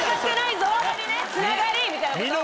つながり！みたいなことを。